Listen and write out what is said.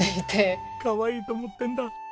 かわいいと思ってるんだ！